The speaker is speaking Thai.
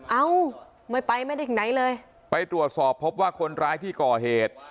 เอ้าไม่ไปไม่ได้ถึงไหนเลยไปตรวจสอบพบว่าคนร้ายที่ก่อเหตุ